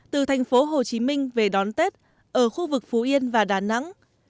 từ thành phố hồ chí minh về đón tết ở khu vực phú yên và đà nẵng